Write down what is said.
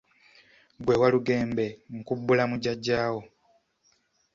Ggwe Walugembe nkubbula mu jjajja wo.